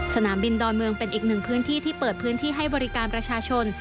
สนามบินดอนเมืองเป็นอีกหนึ่งพื้นที่ที่เปิดพื้นที่ให้บริการประชาชน